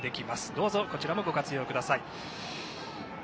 どうぞこちらもご活用ください。